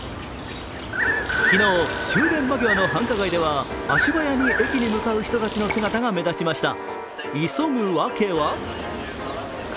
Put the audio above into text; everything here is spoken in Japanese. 昨日、終電間際の繁華街では足早に駅に向かう人たちの姿が目立ちました。